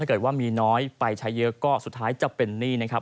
ถ้าเกิดว่ามีน้อยไปใช้เยอะก็สุดท้ายจะเป็นหนี้นะครับ